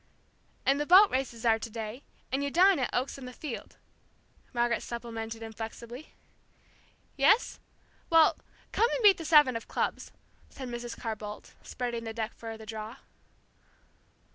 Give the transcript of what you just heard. "And the boat races are to day, and you dine at Oaks in the Field," Margaret supplemented inflexibly. "Yes? Well, come and beat the seven of clubs," said Mrs. Carr Boldt, spreading the deck for the draw.